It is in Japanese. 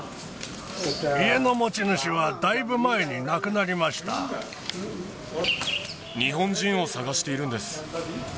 家の持ち主はだいぶ前に亡く日本人を捜しているんです。